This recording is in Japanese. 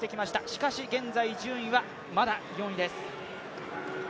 しかし、現在順位はまだ４位です。